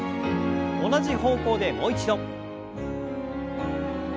同じ方向でもう一度。